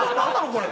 これ。